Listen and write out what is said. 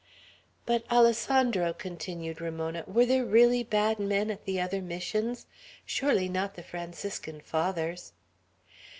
"But, Alessandro," continued Ramona, "were there really bad men at the other Missions? Surely not the Franciscan Fathers?"